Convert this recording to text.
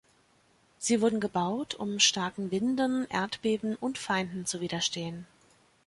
Sie wurden gebaut, um starken Winden, Erdbeben und Feinden zu widerstehen.